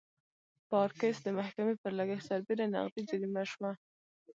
پارکس د محکمې پر لګښت سربېره نغدي جریمه شوه.